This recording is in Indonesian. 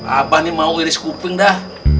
apa nih mau iris kuping dah